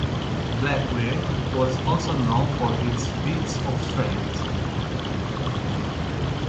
Blackwell was also known for his feats of strength.